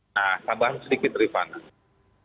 nah tambahan sedikit rifana